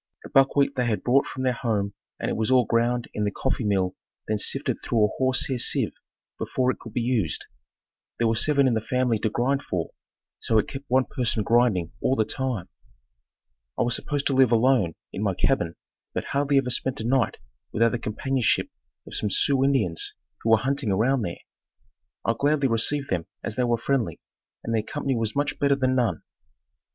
The buckwheat they had brought from their home and it was all ground in the coffee mill then sifted through a horsehair sieve before it could be used. There were seven in the family to grind for, so it kept one person grinding all the time. I was supposed to live alone in my cabin but hardly ever spent a night without the companionship of some Sioux Indians who were hunting around there. I gladly received them as they were friendly, and their company was much better than none.